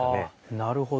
なるほど。